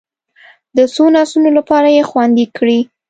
د څو نسلونو لپاره یې خوندي کړي.